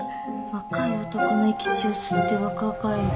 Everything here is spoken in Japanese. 「若い男の生き血を吸って若返り」